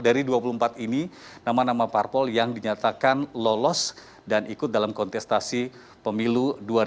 dari dua puluh empat ini nama nama parpol yang dinyatakan lolos dan ikut dalam kontestasi pemilu dua ribu dua puluh